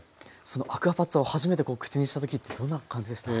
そのアクアパッツァを初めて口にした時ってどんな感じでした？